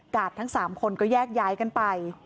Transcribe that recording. กาศทั้งสามคนก็แยกย้ายกันไป